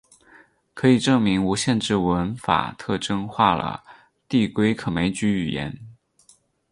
可以证明无限制文法特征化了递归可枚举语言。